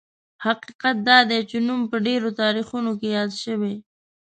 حقیقت دا دی چې نوم په ډېرو تاریخونو کې یاد شوی.